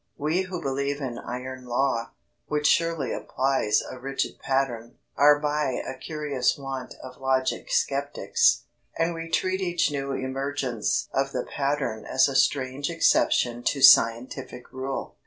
We who believe in iron law, which surely implies a rigid pattern, are by a curious want of logic sceptics, and we treat each new emergence of the pattern as a strange exception to scientific rule.